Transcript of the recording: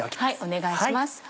お願いします。